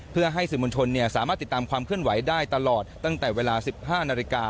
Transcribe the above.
เพื่อให้สื่อมวลชนสามารถติดตามความเคลื่อนไหวได้ตลอดตั้งแต่เวลา๑๕นาฬิกา